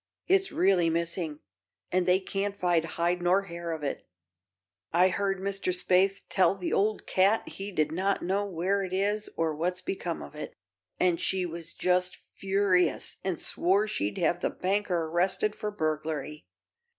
It's really missing, and they can't find hide nor hair of it. I heard Mr. Spaythe tell the old cat he did not know where it is or what's become of it, and she was just furious and swore she'd have the banker arrested for burglary.